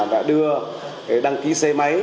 đã đưa đăng ký xe máy